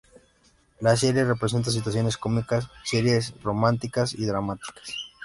La serie presenta situaciones cómicas, serias, románticas y dramáticas.